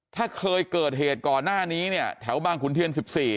ถ้าเคยเกิดเหตุก่อนหน้านี้เนี่ยแถวบางขุนเทียน๑๔